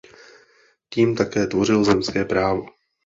Tím také tvořil zemské právo.